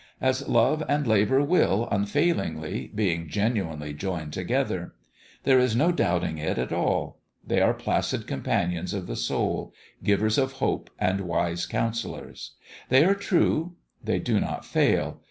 As love and labour will, unfailingly, being genuinely joined together. There is no doubting it at all : they are placid companions of the soul givers of hope and wise counsellors. They are true : they do not fail.